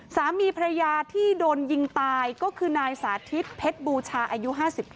สามีภรรยาที่โดนยิงตายก็คือนายสาธิตเพชรบูชาอายุ๕๙